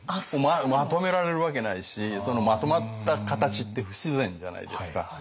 まとめられるわけないしまとまった形って不自然じゃないですか。